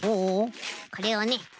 これをね